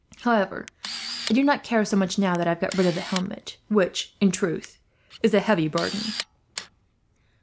However, I do not care so much, now that I have got rid of the helmet; which, in truth, is a heavy burden."